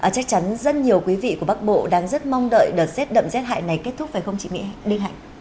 chắc chắn rất nhiều quý vị của bắc bộ đang rất mong đợi đợt rét đậm rét hại này kết thúc phải không chị mỹ đinh hạnh